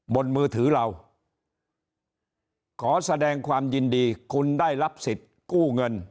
มือถือเราขอแสดงความยินดีคุณได้รับสิทธิ์กู้เงิน